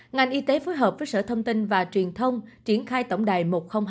ngành y tế phối hợp với sở thông tin và truyền thông triển khai tổng đài một nghìn hai mươi hai